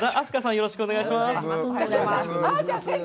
よろしくお願いします。